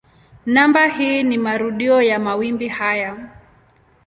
Namba hii ni marudio ya mawimbi haya.